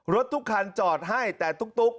รถทุกคันจอดให้แต่ตุ๊ก